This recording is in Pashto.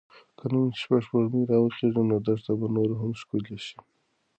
که نن شپه سپوږمۍ راوخیژي نو دښته به نوره هم ښکلې شي.